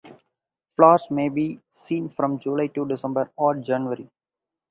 Flowers may be seen from July to December or January.